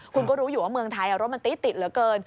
คุณก็รู้อยู่ว่าเมืองไทยรถมันตี๊ติดเหลือเกิน